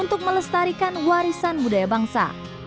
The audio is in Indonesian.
untuk melestarikan warisan budaya bangsa